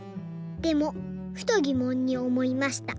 でもふとぎもんにおもいました。